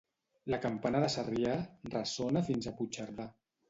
La campana de Sarrià ressona fins a Puigcerdà.